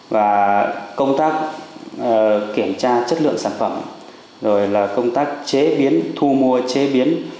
và công tác kiểm tra chất lượng sản phẩm rồi là công tác chế biến thu mua chế biến